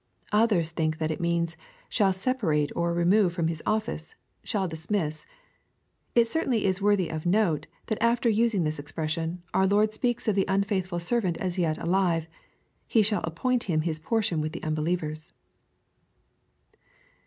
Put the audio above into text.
Others think that it means, " shall separate, or remove, from his office ;— ^shall dismiss." It certainly is worthy of note, that after using this expression, our Lord speaks of the unfaithful servant as yet alive :" He shall appoint him his portion with the unbelievers."